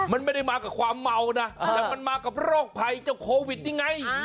มันไม่ได้มากับความเมานะแต่มันมากับโรคภัยเจ้าโควิดนี่ไง